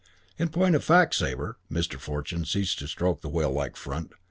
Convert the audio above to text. In point of fact, Sabre" Mr. Fortune ceased to stroke the whale like front.